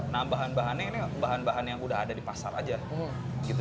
nah bahan bahannya ini bahan bahan yang udah ada di pasar aja gitu